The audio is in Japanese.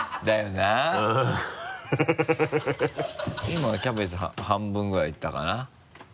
今キャベツ半分ぐらいいったかな？